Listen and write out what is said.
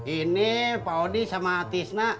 ini pak odi sama atis nak